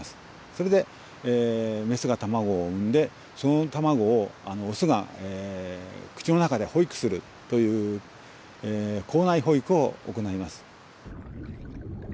それでメスが卵を産んでその卵をオスが口の中で保育するという口内保育を行います。